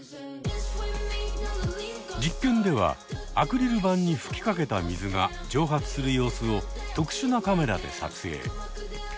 実験ではアクリル板に吹きかけた水が蒸発する様子を特殊なカメラで撮影。